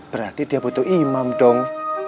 berarti dia butuh imam dong